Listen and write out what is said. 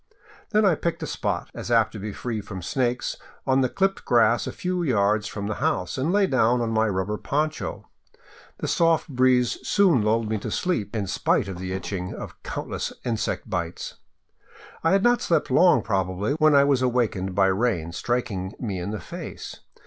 Then I picked a spot, as apt to be free from snakes, on the clipped grass a few yards from the house, and lay down on my rubber poncho. The soft breeze soon lulled me to sleep, in spite of the itching of countless insect bites. I had not slept long probably, when I was awakened by rain striking me in the face.